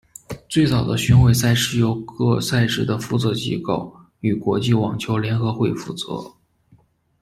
最早的巡回赛是由各赛事的负责机构与国际网球联合会负责。